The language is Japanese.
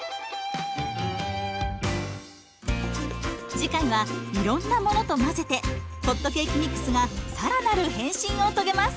次回はいろんなものと混ぜてホットケーキミックスが更なる変身を遂げます！